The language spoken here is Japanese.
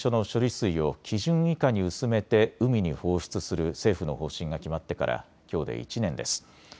水を基準以下に薄めて海に放出する政府の方針が決まってからきょうで１年です。